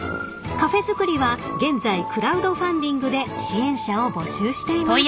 ［カフェづくりは現在クラウドファンディングで支援者を募集しています］